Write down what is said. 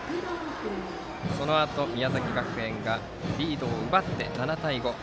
そのあと、宮崎学園がリードを奪って７対５。